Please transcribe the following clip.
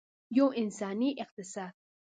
یو انساني اقتصاد.